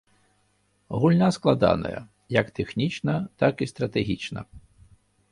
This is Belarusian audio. Гульня складаная, як тэхнічна, так і стратэгічна.